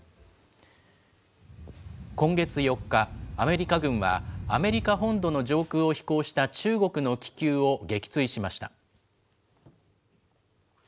今月４日、アメリカ軍はアメリカ本土の上空を飛行した中国の気球を撃墜しました。